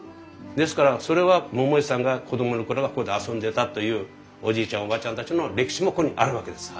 ですからそれは桃井さんが子供の頃はここで遊んでたというおじいちゃんおばあちゃんたちの歴史もここにあるわけです。